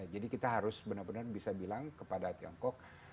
jadi kita harus benar benar bisa bilang kepada tiongkok